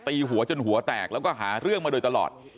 ตีหัวจนหัวแตกแล้วก็หาเรื่องมาโดยตลอด